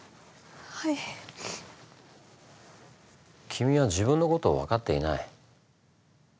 君は自分のことを分かっていない。